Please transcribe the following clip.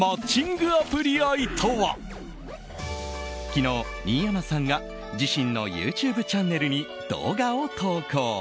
昨日、新山さんが自身のＹｏｕＴｕｂｅチャンネルに動画を投稿。